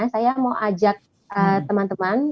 saya mau ajak teman teman